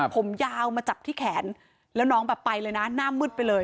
ผมยาวมาจับที่แขนแล้วน้องแบบไปเลยนะหน้ามืดไปเลย